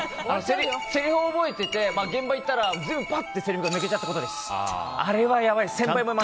せりふを覚えてて現場に行ったら全部せりふが抜けちゃったことです。